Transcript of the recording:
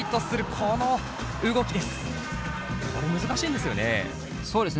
これ難しいんですよね？